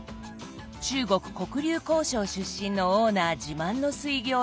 中国黒竜江省出身のオーナー自慢の水餃子がこちら。